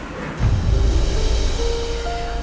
nino aku mau ke kampus